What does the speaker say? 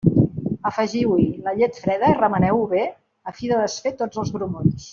Afegiu-hi la llet freda i remeneu-ho bé a fi de desfer tots els grumolls.